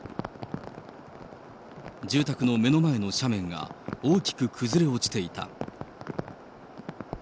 住宅の目の前の斜面が大きく崩れ落ちていた。